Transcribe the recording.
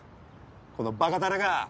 このバカタレが！